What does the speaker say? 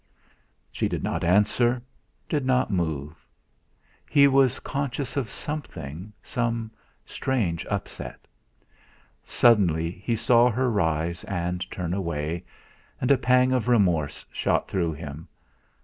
She did not answer; did not move. He was conscious of something some strange upset. Suddenly he saw her rise and turn away, and a pang of remorse shot through him.